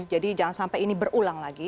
jadi jangan sampai ini berulang lagi